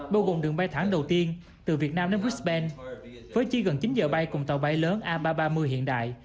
bao gồm đường bay thẳng đầu tiên từ việt nam đến westbank với chi gần chín giờ bay cùng tàu bay lớn a ba trăm ba mươi hiện đại